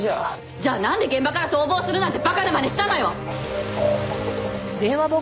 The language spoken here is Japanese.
じゃあなんで現場から逃亡するなんて馬鹿なまねしたのよ！